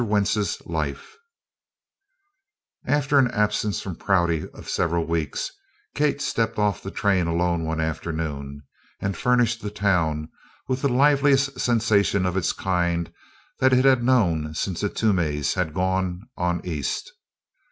WENTZ'S LIFE After an absence from Prouty of several weeks, Kate stepped off the train alone one afternoon and furnished the town with the liveliest sensation of its kind that it had known since the Toomeys had gone "on East."